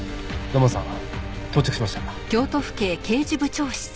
土門さん到着しました。